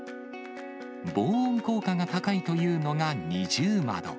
防音効果が高いというのが二重窓。